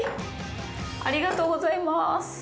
ありがとうございます。